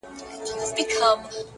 ته یې دفاع کې خلک کنځې